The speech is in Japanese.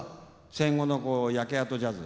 戦後の焼け跡ジャズ。